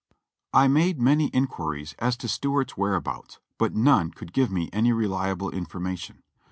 I made many inquiries as to Stuart's whereabouts, but none could give me any reliable information.